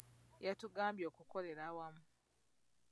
Yatugambye okukolera awamu.